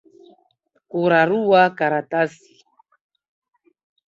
Kurarua karatasi